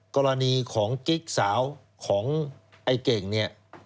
กรณีของกิ๊กสาวของไอ้เก่งเนี่ย